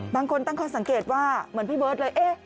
บางคนตั้งข้อสังเกตว่าเหมือนพี่เบิร์ตเลย